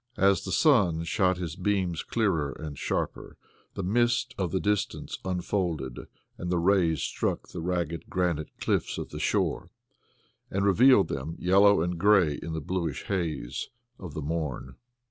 As the sun shot his beams clearer and sharper, the mist of the distance unfolded and the rays struck the ragged granite cliffs of the shore, and revealed them yellow and gray in the bluish haze of the morn.